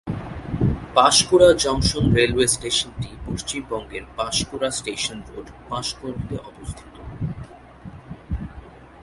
Panskura junction railway স্টেশনটি পশ্চিমবঙ্গের Panskura station road, Panskura তে অবস্থিত।